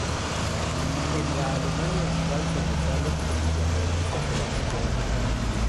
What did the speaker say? En la Alemania actual sobresale el hiperrealista Sebastián Kruger.